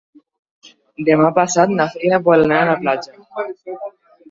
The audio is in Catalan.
Demà passat na Frida vol anar a la platja.